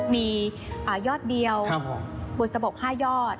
มียอดเดียวบุษบก๕ยอด